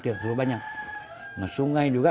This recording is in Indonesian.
tidak terlalu banyak nah sungai juga